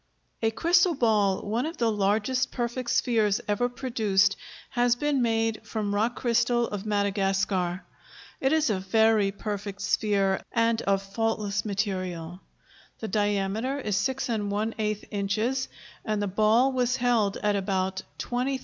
A crystal ball, one of the largest perfect spheres ever produced, has been made from rock crystal of Madagascar. It is a very perfect sphere and of faultless material. The diameter is 6⅛ inches and the ball was held at about $20,000.